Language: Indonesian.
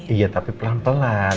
iya tapi pelan pelan